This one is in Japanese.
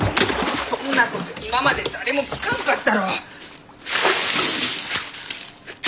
そんなこと今まで誰も聞かんかったろう！